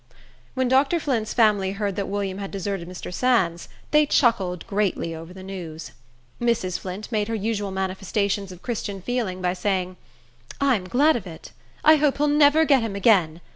When Dr. Flint's family heard that William had deserted Mr. Sands, they chuckled greatly over the news. Mrs. Flint made her usual manifestations of Christian feeling, by saying, "I'm glad of it. I hope he'll never get him again.